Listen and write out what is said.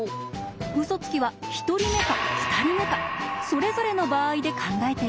ウソつきは１人目か２人目かそれぞれの場合で考えていきます。